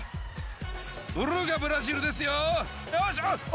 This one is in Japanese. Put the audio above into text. ブルーがブラジルですよ。